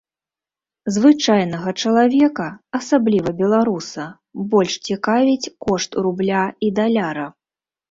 Звычайнага чалавека, асабліва беларуса, больш цікавіць кошт рубля і даляра.